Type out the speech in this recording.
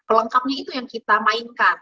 pelengkapnya itu yang kita mainkan